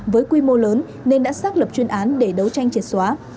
với quy mô lớn nên đã xác lập chuyên án để đấu tranh triệt xóa